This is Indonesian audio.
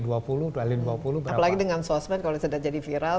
apalagi dengan sosmed kalau sudah jadi viral